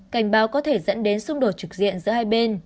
cảnh báo có thể dẫn đến xung đột trực diện giữa hai bên